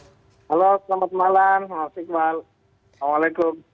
halo selamat malam assalamualaikum